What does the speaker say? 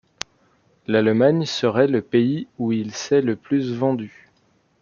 L'Allemagne serait le pays où il s'est le plus vendu.